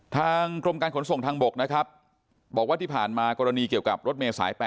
ทางกรมการขนส่งทางบกนะครับบอกว่าที่ผ่านมากรณีเกี่ยวกับรถเมษาย๘